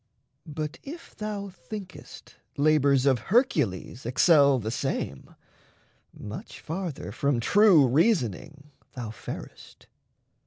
But if thou thinkest Labours of Hercules excel the same, Much farther from true reasoning thou farest.